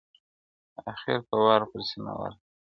آخر به وار پر سینه ورکړي!!